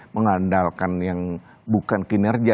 mengandalkan yang bukan kinerja